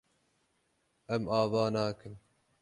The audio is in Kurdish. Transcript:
Em ava nakin.